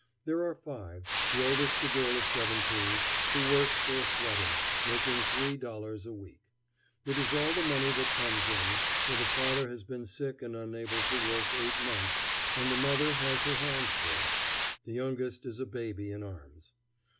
There are five, the oldest a girl of seventeen, who works for a sweater, making three dollars a week. It is all the money that comes in, for the father has been sick and unable to work eight months and the mother has her hands full: the youngest is a baby in arms.